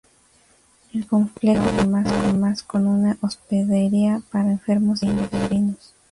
El complejo contaba además con una hospedería para enfermos y peregrinos.